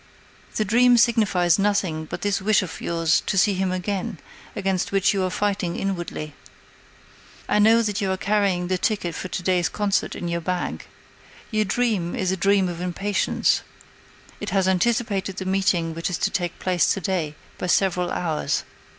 The dream signifies nothing but this wish of yours to see him again, against which you are fighting inwardly. I know that you are carrying the ticket for to day's concert in your bag. Your dream is a dream of impatience; it has anticipated the meeting which is to take place to day by several hours."